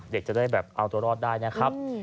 เด็กจะได้แบบเอาตัวรอดได้นะครับ